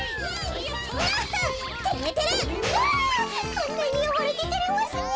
こんなによごれててれますねえ。